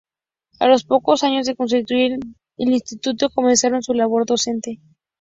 A los pocos años de constituir el estudio, comenzaron su labor docente.